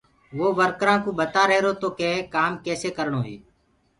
وو ورڪرآنٚ ڪوُ ٻتآ رهيرو تو ڪي ڪآم ڪيسي ڪرڻو هي؟